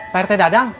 pak rt dadang